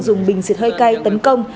dùng bình xịt hơi cay tấn công